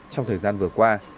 trong thời gian vừa qua